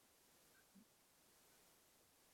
অহ, চমৎকার আয়োজন।